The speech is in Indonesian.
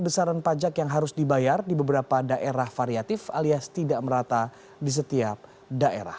besaran pajak yang harus dibayar di beberapa daerah variatif alias tidak merata di setiap daerah